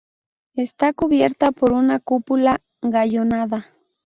Está cubierta por una cúpula gallonada.